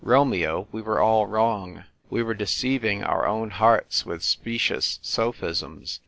Romeo, we were all wrong. We were deceiving our own hearts with specious sophisms.